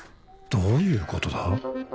どういうことだ？